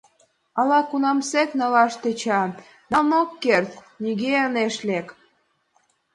Ала-кунамсек налаш тӧча, налын ок керт, нигӧ ынеж лек.